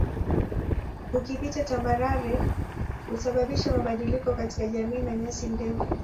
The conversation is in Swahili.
Ukipita tambarare husababisha mabadiliko katika jami na nyasi ndefu